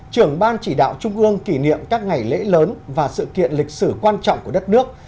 trưởng ban chỉ đạo trung ương kỷ niệm các ngày lễ lớn và sự kiện lịch sử quan trọng của đất nước